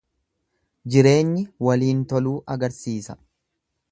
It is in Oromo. Jireenyi waliin toluu agarsiisa.